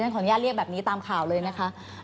ขออนุญาตเรียกแบบนี้ตามข่าวเลยนะคะ